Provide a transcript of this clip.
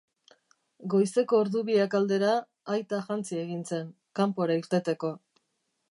Goizeko ordu biak aldera, aita jantzi egin zen, kanpora irteteko.